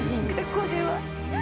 これは。